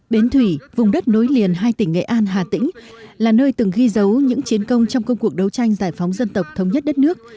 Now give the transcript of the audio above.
bến thủy vùng đất nối liền hai tỉnh nghệ an hà tĩnh là nơi từng ghi dấu những chiến công trong công cuộc đấu tranh giải phóng dân tộc thống nhất đất nước